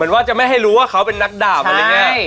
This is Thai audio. ว่าเขาเป็นนักดาบอะไรอย่างนี้